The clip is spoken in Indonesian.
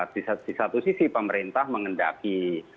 di satu sisi pemerintah mengendaki